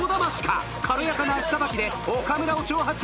軽やかな足さばきで岡村を挑発。